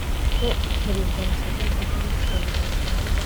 kuko perezida museveni yahisemo kugabiza uganda